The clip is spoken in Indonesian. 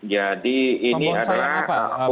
jadi ini adalah